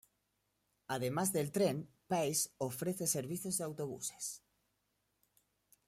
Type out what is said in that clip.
Además del tren, Pace ofrece servicio de autobuses.